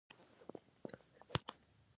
د چین خاورې ته ورسېدلو.